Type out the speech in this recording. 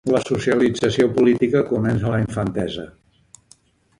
La socialització política comença a la infantesa.